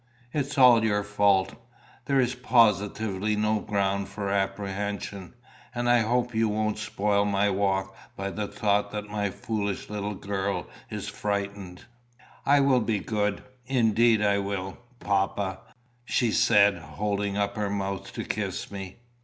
It is all your fault. There is positively no ground for apprehension, and I hope you won't spoil my walk by the thought that my foolish little girl is frightened." "I will be good indeed I will, papa," she said, holding up her mouth to kiss me.